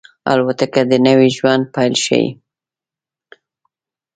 الوتکه د نوي ژوند پیل ښيي.